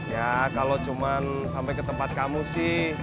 ya kalau cuma sampai ke tempat kamu sih